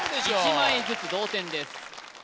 １枚ずつ同点です